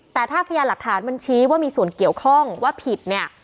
แต่ถ้าพยานหลักฐานมันชี้ว่ามีส่วนเกี่ยวข้องว่าผิดเนี่ย